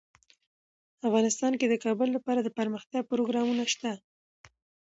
افغانستان کې د کابل لپاره دپرمختیا پروګرامونه شته.